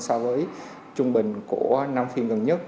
so với trung bình của năm phiên gần nhất